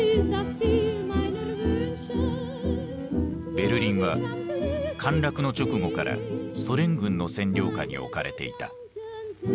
ベルリンは陥落の直後からソ連軍の占領下に置かれていた。